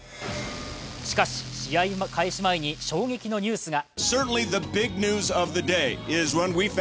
しかし、試合開始前に衝撃のニュースが。